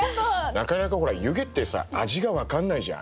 なかなかほら湯気ってさ味が分かんないじゃん。